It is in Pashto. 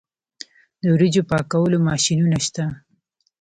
د وریجو پاکولو ماشینونه شته